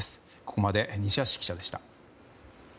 ここまで西橋記者でした。